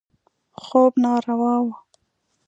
خوب ناروا و.